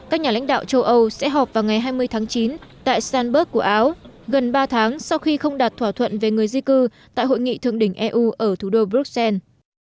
các nhà lãnh đạo châu âu sẽ họp vào ngày hai mươi tháng chín tại sanberg của áo gần ba tháng sau khi không đạt thỏa thuận về người di cư tại hội nghị thượng đỉnh eu ở thủ đô bruxelles